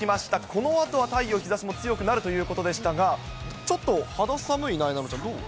このあとは太陽、日ざしも強くなるということでしたが、ちょっと肌寒い、なえなのちゃん、どう？